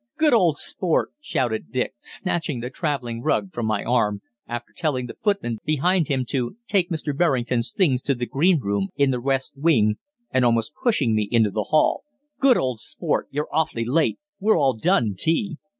"Good old sport!" shouted Dick, snatching the travelling rug from my arm, after telling the footman behind him to "take Mr. Berrington's things to the green room in the west wing," and almost pushing me into the hall. "Good old sport! You're awfully late. We've all done tea."